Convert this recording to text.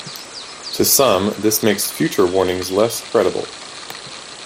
To some, this makes future warnings seem less credible.